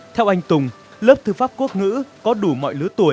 theo anh tùng lớp thư pháp quốc ngữ có đủ mọi lứa tuổi